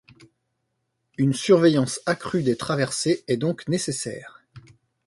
Une surveillance accrue des traversées est donc nécessaire.